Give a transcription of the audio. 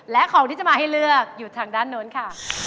และของที่จะมาให้เลือกอยู่ทางด้านโน้นค่ะ